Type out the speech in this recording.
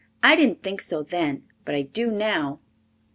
"I didn't think so then, but I do now."